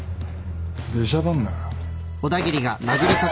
出しゃばんなよ。